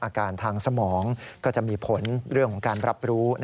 อาการทางสมองก็จะมีผลเรื่องของการรับรู้